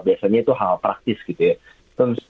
biasanya itu hal praktis gitu ya